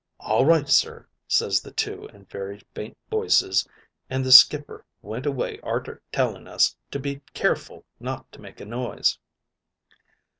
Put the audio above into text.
"'All right, sir,' ses the two in very faint voices, an' the skipper went away arter telling us to be careful not to make a noise.